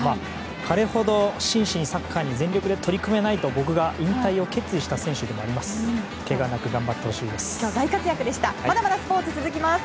彼ほど、真摯にサッカーに全力で取り組めないと、僕が引退を決意した選手でもあります。